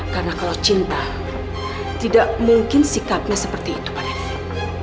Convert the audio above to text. karena kalau cinta tidak mungkin sikapnya seperti itu pada ririn